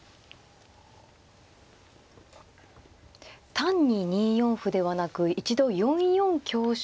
単に２四歩ではなく一度４四香車を入れてから。